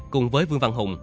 cùng với vương văn hùng